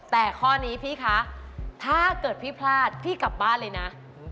แต่ข้อนี้พี่คะถ้าเกิดพี่พลาดพี่กลับบ้านเลยนะ